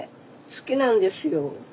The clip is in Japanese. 好きなんですよ。